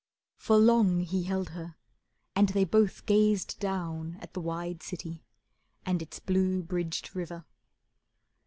For long he held her, and they both gazed down At the wide city, and its blue, bridged river.